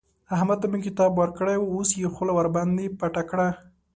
احمد ته مې کتاب ورکړی وو؛ اوس يې خوله ورباندې پټه کړه.